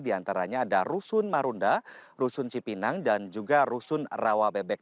di antaranya ada rusun marunda rusun cipinang dan juga rusun rawa bebek